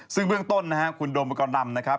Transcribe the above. ซึ่งเบื้องต้นคุณโดมไปก่อนล่ำนะครับ